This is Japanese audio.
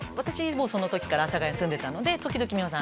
もうその時から阿佐ヶ谷に住んでたので時々美穂さん